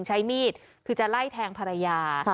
ใช้มีดคือจะไล่แทงภรรยา